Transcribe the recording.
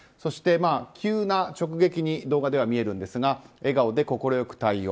急な直撃に動画では見えるんですが笑顔で快く対応。